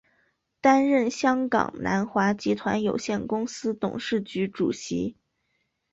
担任香港南华集团有限公司董事局主席。